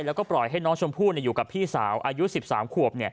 แล้วก็ปล่อยให้น้องชมพู่อยู่กับพี่สาวอายุ๑๓ขวบ